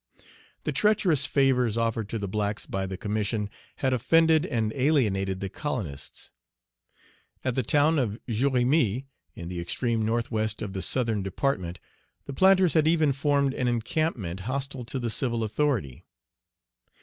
The treacherous favors offered to the blacks by the Commission had offended and alienated the colonists. At the town of Jéremie, in the extreme northwest of the Southern Department, the planters had even formed an encampment hostile to the civil authority.